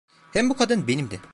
Hem bu kadın benimdi.